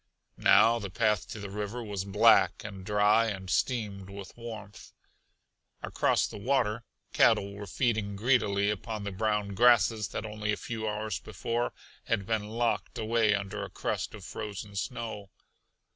Now the path to the river was black and dry and steamed with warmth. Across the water cattle were feeding greedily upon the brown grasses that only a few hours before had been locked away under a crust of frozen snow.